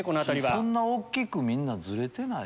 そんな大きくみんなズレてない。